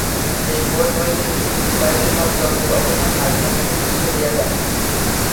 এই বোধ হইতে নিষ্কৃতি পাইলে সব দ্বন্দ্বের অবসান হয়, সব দুঃখ চলিয়া যায়।